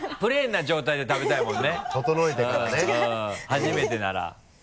初めてなら。